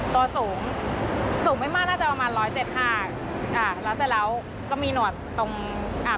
ตัวสูงสูงไม่มากน่าจะประมาณร้อยเจ็ดห้าอ่าแล้วเสร็จแล้วก็มีหนวดตรงอ่า